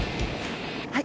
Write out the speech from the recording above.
はい。